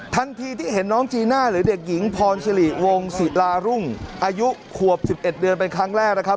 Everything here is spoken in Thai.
ทันทีที่เห็นน้องจีน่าหรือเด็กหญิงพรสิริวงศิลารุ่งอายุขวบ๑๑เดือนเป็นครั้งแรกนะครับ